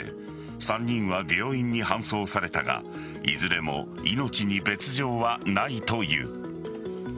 ３人は病院に搬送されたがいずれも命に別条はないという。